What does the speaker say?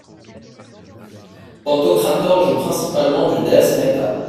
Pantokrator joue principalement du death metal.